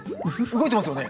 動いてますよね。